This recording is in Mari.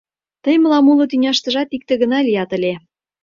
Тый мылам уло тӱняштыжат икте гына лият ыле.